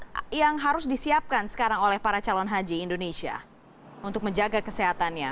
apa yang harus disiapkan sekarang oleh para calon haji indonesia untuk menjaga kesehatannya